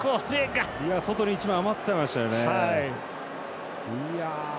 外に１枚余ってましたよね。